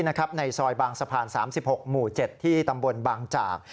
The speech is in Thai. ในซอยบางสะพาน๓๖หมู่๗ที่ตำบลบางจาก